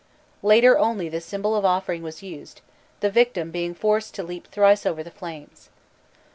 Later only the symbol of offering was used, the victim being forced to leap thrice over the flames.